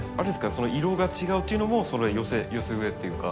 その色が違うというのも寄せ植えというか？